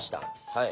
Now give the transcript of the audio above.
はい。